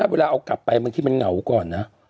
เวลาเอากลับไปบางทีมันเหงาก่อนนะ